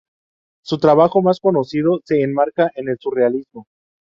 Su trabajo más conocido se enmarca en el Surrealismo.